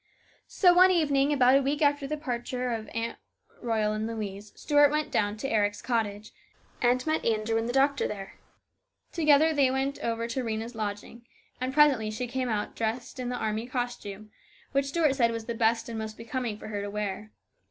So, one evening about a week after the departure of Louise and Aunt Royal, Stuart went down to Eric's cottage, and met Andrew and the doctor there. Together they went over to Rhena's lodging, and presently she came out dressed in the army costume, which Stuart said was the best and most becoming for her to wear.